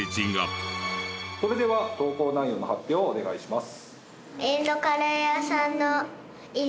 それでは投稿内容の発表をお願いします。